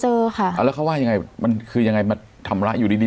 เจอค่ะอ่าแล้วเขาว่ายังไงมันคือยังไงมาชำระอยู่ดีดี